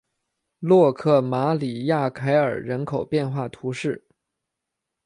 洛克马里亚凯尔人口变化图示